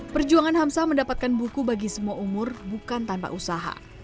perjuangan hamsah mendapatkan buku bagi semua umur bukan tanpa usaha